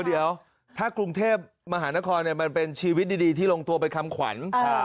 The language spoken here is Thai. เดี๋ยวถ้ากรุงเทพมหานครมันเป็นชีวิตดีที่ลงตัวไปคำขวัญ